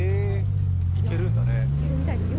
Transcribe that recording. いけるんだね。